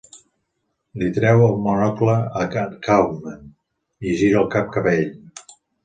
Li treu el monocle a Kaufmann i el gira cap a ell.